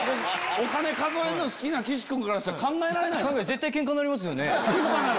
お金数えるの好きな岸君からしたら考えられない。